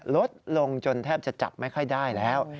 ลดลงจนแทบจะจับไม่ค่อยได้แล้ว